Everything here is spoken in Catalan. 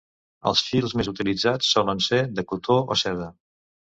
Els fils més utilitzats solen ser de cotó o seda.